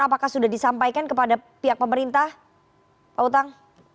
apakah sudah disampaikan kepada pihak pemerintah pak utang